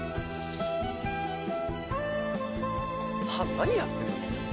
何やってんの？